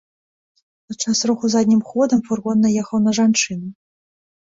Падчас руху заднім ходам фургон наехаў на жанчыну.